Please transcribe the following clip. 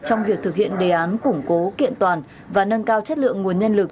trong việc thực hiện đề án củng cố kiện toàn và nâng cao chất lượng nguồn nhân lực